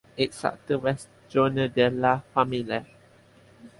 Its subtitle was "Journal de la famille".